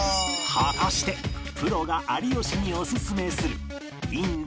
果たしてプロが有吉におすすめするインド